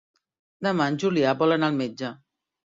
Demà en Julià vol anar al metge.